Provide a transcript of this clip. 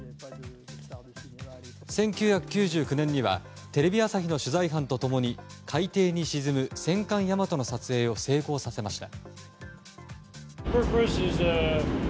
１９９９年にはテレビ朝日の取材班と共に海底に沈む、戦艦「大和」の撮影を成功させました。